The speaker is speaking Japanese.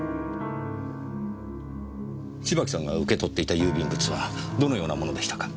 芝木さんが受け取っていた郵便物はどのようなものでしたか？